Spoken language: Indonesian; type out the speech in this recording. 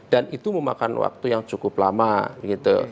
dan itu memakan waktu yang cukup lama gitu